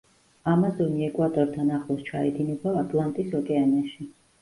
ამაზონი ეკვატორთან ახლოს ჩაედინება ატლანტის ოკეანეში.